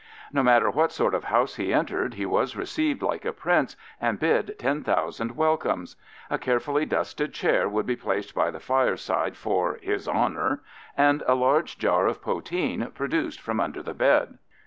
No matter what sort of house he entered, he was received like a prince and bid ten thousand welcomes; a carefully dusted chair would be placed by the fireside for "his honour," and a large jar of poteen produced from under the bed.